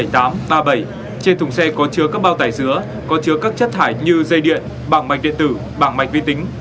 trên thùng xe có chứa các bao tải dứa có chứa các chất thải như dây điện bảng mạch điện tử bảng mạch vi tính